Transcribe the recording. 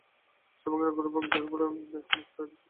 সর্বভোগের অগ্রভাগ দেবপ্রাপ্য, দেবতাদের মুখাদি পুরোহিত-কুল।